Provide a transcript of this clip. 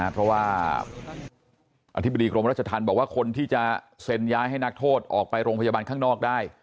เพราะว่าอธิบดีกรมรัชธรรมบอกว่าคนที่จะเซ็นย้ายให้นักโทษออกไปโรงพยาบาลข้างนอกได้